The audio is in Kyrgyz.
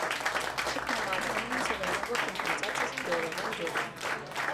Шыкмаматов менен Салянова компенсация доолаган жок.